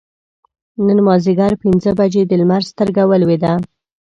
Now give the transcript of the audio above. نن مازدیګر پینځه بجې د لمر سترګه ولوېده.